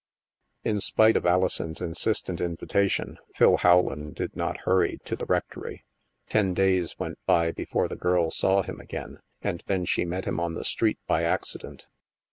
In spite of Alison's insistent invitation, Phil How land did not hurry to the rectory. Ten days went by before the girl saw him again, and then she met him on the street by accident.